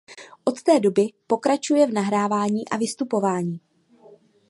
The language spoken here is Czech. Od té doby pokračuje v nahrávání a vystupování.